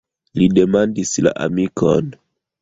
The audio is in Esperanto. Li demandis la amikon.